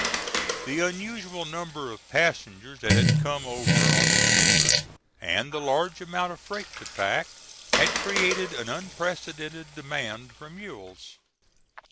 The unusual number of passengers that had come over on the steamer, and the large amount of freight to pack, had created an unprecedented demand for mules.